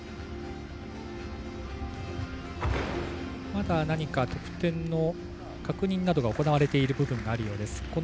まだ、何か得点の確認などが行われている部分があるようです。